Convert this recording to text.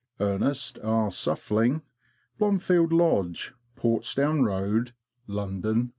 ERNEST R. SUFFLING. Blomjield Lodge, Portsdown Road, London, W.